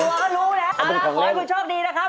ก็รู้แล้วเอาละขอให้คุณโชคดีนะครับ